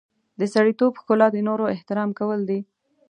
د سړیتوب ښکلا د نورو احترام کول دي.